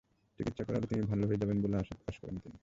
চিকিৎসা করালে তিনি ভালো হয়ে যাবেন বলে আশা প্রকাশ করেন তিনি।